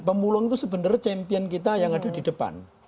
pemulung itu sebenarnya champion kita yang ada di depan